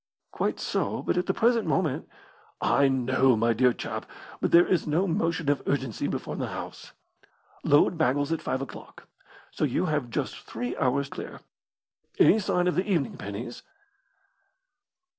"Quite so. But at the present moment " "I know, my dear chap; but there is no motion of urgency before the house. Load baggles at five o'clock; so you have Just three hours clear. Any sign of the evening pennies?"